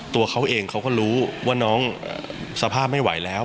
ตัวเขาเองเขาก็รู้ว่าน้องสภาพไม่ไหวแล้ว